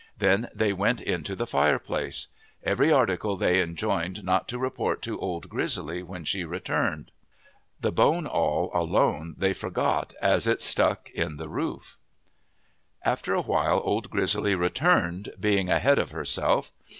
Then they went into the fireplace. Every article they enjoined not to report to Old Grizzly when she returned. The bone awl alone they forgot as it stuck in the roof. After a while Old Grizzly returned, being ahead of herself.